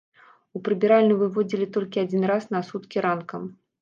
У прыбіральню выводзілі толькі адзін раз на суткі ранкам.